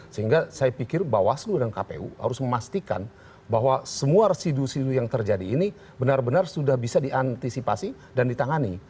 sehingga saya pikir bawaslu dan kpu harus memastikan bahwa semua residu residu yang terjadi ini benar benar sudah bisa diantisipasi dan ditangani